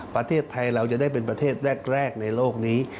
ประเทศไทยเราจะได้เป็นประเทศแรกในโลกนี้